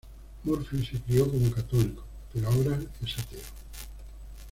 Murphy se crio como católico, pero ahora es ateo.